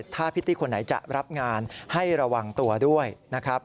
ถ้าพิตตี้คนไหนจะรับงานให้ระวังตัวด้วยนะครับ